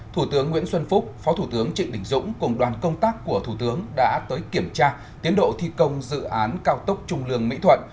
thủ tướng nguyễn xuân phúc phó thủ tướng trịnh đình dũng cùng đoàn công tác của thủ tướng đã tới kiểm tra tiến độ thi công dự án cao tốc trung lương mỹ thuận